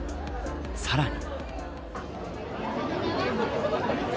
さらに。